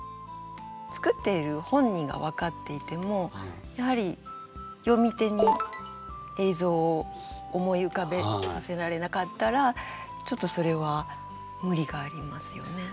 作っている本人が分かっていてもやはり読み手に映像を思い浮かべさせられなかったらちょっとそれは無理がありますよね。